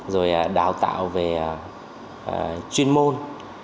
rồi đào tạo về chuyên môn